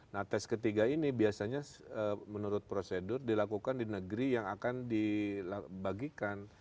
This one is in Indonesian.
nah tes ketiga ini biasanya menurut prosedur dilakukan di negeri yang akan dibagikan